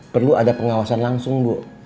perlu ada pengawasan langsung bu